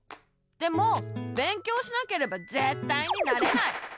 でも勉強しなければぜったいになれない！